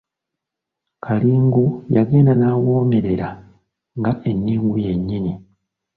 Kalingu yagenda n’awoomerera nga enningu yennyini.